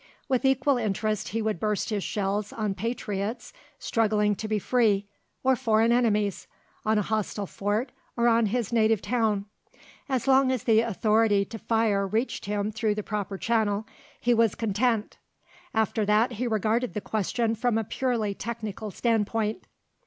With equal interest he would burst his shells on patriots struggling to be free or foreign enemies, on a hostile fort or on his native town. As long as the authority to fire reached him through the proper channel, he was content; after that he regarded the question from a purely technical standpoint.